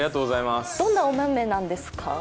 どんなお豆なんですか？